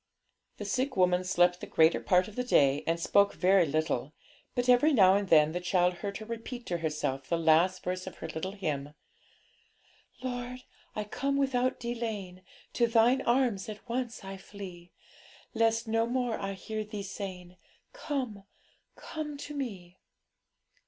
The sick woman slept the greater part of the day, and spoke very little; but every now and then the child heard her repeat to herself the last verse of her little hymn 'Lord, I come without delaying, To Thine arms at once I flee, Lest no more I hear Thee saying, "Come, come to Me."'